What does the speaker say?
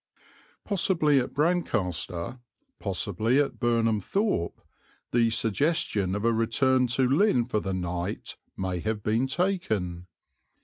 Possibly at Brancaster, possibly at Burnham Thorpe, the suggestion of a return to Lynn for the night may have been taken.